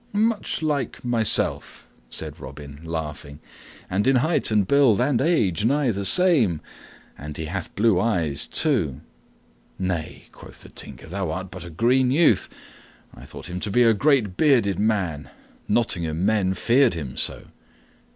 "Much like myself," said Robin, laughing, "and in height and build and age nigh the same; and he hath blue eyes, too." "Nay," quoth the Tinker, "thou art but a green youth. I thought him to be a great bearded man. Nottingham men feared him so."